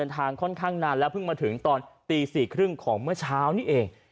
ทางค่อนข้างนานแล้วเพิ่งมาถึงตอนตี๔๓๐ของเมื่อเช้านี้เอง